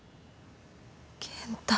健太。